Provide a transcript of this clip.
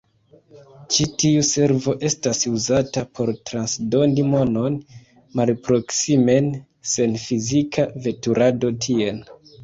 Ĉi tiu servo estas uzata por transdoni monon malproksimen sen fizika veturado tien.